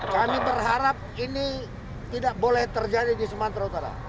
kami berharap ini tidak boleh terjadi di sumatera utara